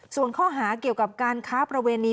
ส่วนข้อหาเกี่ยวกับการค้าประเวณี